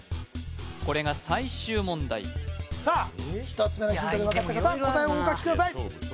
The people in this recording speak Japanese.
これが最終問題さあ１つ目のヒントで分かった方は答えをお書きください